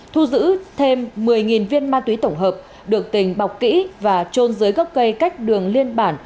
thu giữ thêm một mươi viên ma túy tổng hợp được tình bọc kỹ và trôn dưới gốc cây cách đường liên bản